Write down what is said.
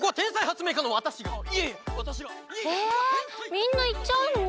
みんないっちゃうの？